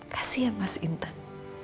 kasian mas intan